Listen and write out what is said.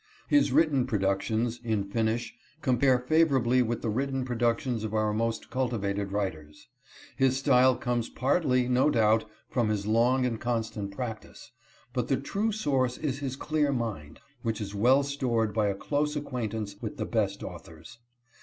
His written productions, in finish, compare favorably with the written productions of our most culti vated writers. His style comes partly, no doubt, from his long and constant practice, but the true source is his clear mind, which is well stored by a close acquaintance with the best authors.